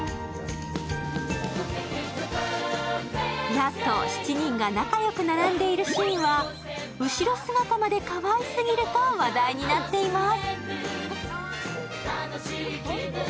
ラスト、７人が仲よく並んでいるシーンは後ろ姿までかわいすぎると話題になっています。